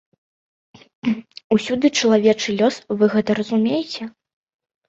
Усюды чалавечы лёс, вы гэта разумееце?